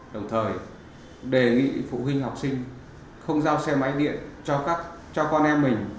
đồng thời đề nghị phụ huynh học sinh không giao xe máy điện cho con em mình